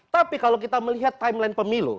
tapi kalau kita melihat timeline pemilu